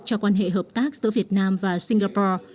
trong mối quan hệ hợp tác giữa việt nam và singapore